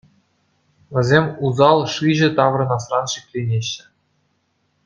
Вӗсем усал шыҫӑ таврӑнасран шикленеҫҫӗ.